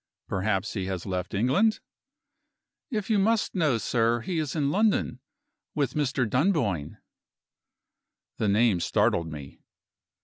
"Perhaps he has left England?" "If you must know, sir, he is in London with Mr. Dunboyne." The name startled me.